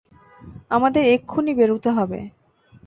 আমাদের এক্ষুনি বেরুতে হবে!